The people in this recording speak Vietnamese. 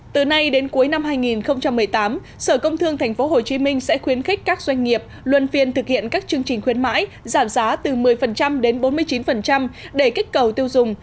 từ nay đến cuối năm hai nghìn một mươi tám sở công thương tp hcm sẽ khuyến khích các doanh nghiệp luân phiên thực hiện các chương trình khuyến mãi giảm giá từ một mươi đến bốn mươi chín để kích cầu tiêu dùng